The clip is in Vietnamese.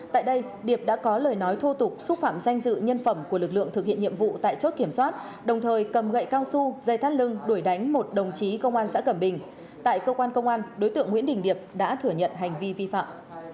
tại đây điệp đã có lời nói thô tục xúc phạm danh dự nhân phẩm của lực lượng thực hiện nhiệm vụ tại chốt kiểm soát đồng thời cầm gậy cao su dây thắt lưng đuổi đánh một đồng chí công an xã cẩm bình tại cơ quan công an đối tượng nguyễn đình điệp đã thừa nhận hành vi vi phạm